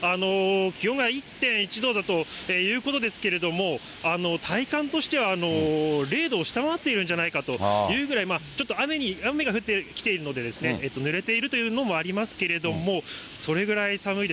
気温が１．１度だということですけれども、体感としては、０度を下回っているんじゃないかというぐらい、雨が降ってきているので、ぬれているというのもありますけれども、それぐらい寒いです。